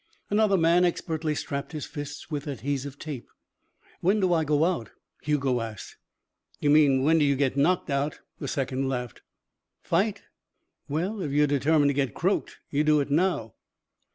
Another man expertly strapped his fists with adhesive tape. "When do I go out?" Hugo asked. "You mean, when do you get knocked out?" the second laughed. "Fight?" "Well, if you're determined to get croaked, you do it now."